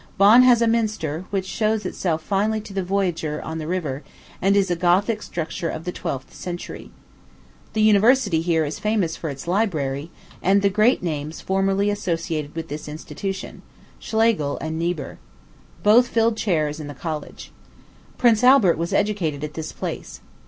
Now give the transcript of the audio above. Bonn has a minster, which shows itself finely to the voyager on the river, and is a Gothic structure of the twelfth century. The University here is famous for its library, and the great names formerly associated with this institution Schlegel and Niebuhr. Both filled chairs in the college. Prince Albert was educated at this place.